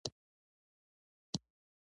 مصنوعي ځیرکتیا د کار بازار ته بدلون راولي.